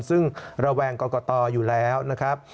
ซึ่งระแวงกรกตอยู่แล้วนะครับ